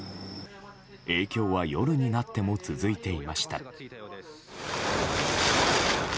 影響は夜になっても続いていました。